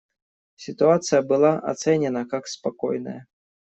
Ситуация была оценена как спокойная.